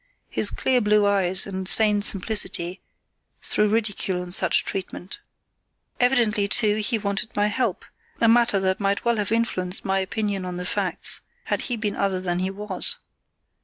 His clear blue eyes and sane simplicity threw ridicule on such treatment. Evidently, too, he wanted my help, a matter that might well have influenced my opinion on the facts, had he been other than he was.